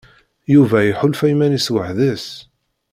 Yuba iḥulfa iman-is weḥd-s.